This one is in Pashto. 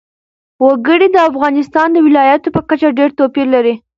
وګړي د افغانستان د ولایاتو په کچه ډېر توپیر لري.